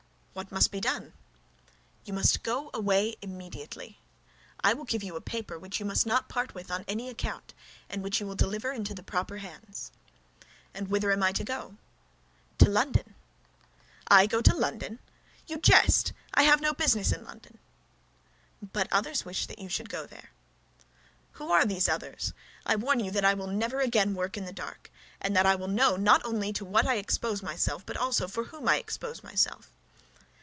"What must be done?" "You must go away immediately. I will give you a paper which you must not part with on any account, and which you will deliver into the proper hands." "And whither am I to go?" "To London." "I go to London? Go to! You jest! I have no business in London." "But others wish that you should go there." "But who are those others? I warn you that I will never again work in the dark, and that I will know not only to what I expose myself, but for whom I expose myself."